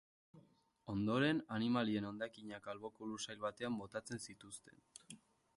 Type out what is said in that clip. Ondoren, animalien hondakinak alboko lursail batean botatzen zituzten.